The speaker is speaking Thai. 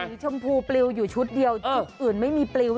มีชมพูปริ้วอยู่ชุดเดียวอื่นไม่มีปริ้ว